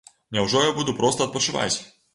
Няўжо я буду проста адпачываць?